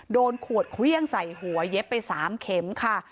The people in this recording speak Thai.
โดนขวดเครื่องใส่หัวเย็บไป๓เข็มค่ะ